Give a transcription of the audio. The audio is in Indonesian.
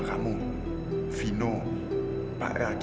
kamu mau anak